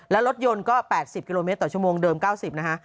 แล้วรถยนต์ก็๘๐กิโลเมตรต่อชั่วโมงเดิม๙๐นะฮะ